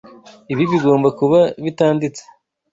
Ibi bigomba kuba bitanditse.